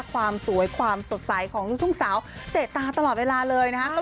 ความสวยความสดใสของลูกทุ่งสาวเตะตาตลอดเวลาเลยนะครับ